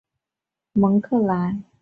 蒙克莱。